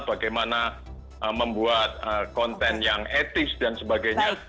bagaimana membuat konten yang etis dan sebagainya